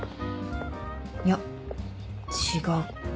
いや違う